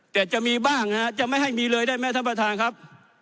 แต่จะมีบ้างฮะจะไม่ให้มีเลยได้ไหมท่านประธานครับ